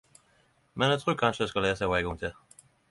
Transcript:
Men eg trur kanskje eg skal lese ho ein gong til.